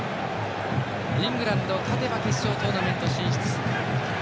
イングランド、勝てば決勝トーナメント進出。